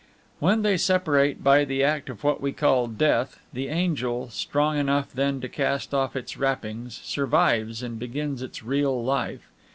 When they separate by the act of what we call death, the angel, strong enough then to cast off its wrappings, survives and begins its real life.